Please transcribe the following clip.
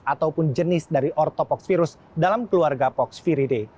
ataupun jenis dari ortopox virus dalam keluarga pox viridae